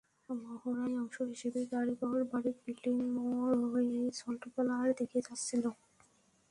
মহড়ার অংশ হিসেবে গাড়িবহর বারিক বিল্ডিং মোড় হয়ে সল্টগোলার দিকে যাচ্ছিল।